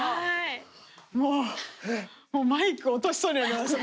もうマイク落としそうになりました。